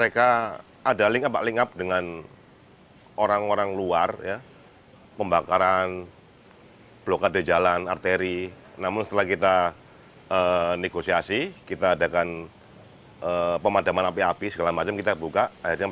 kodam jaya melaksanakan penertiban